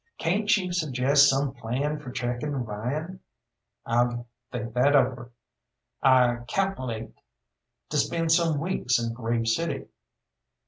"Cayn't you suggest some plan for checking Ryan?" "I'll think that over. I cal'late to spend some weeks in Grave City."